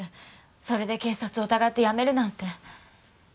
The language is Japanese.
それで警察を疑って辞めるなんて。